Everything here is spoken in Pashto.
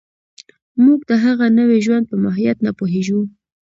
موږ د هغه نوي ژوند په ماهیت نه پوهېږو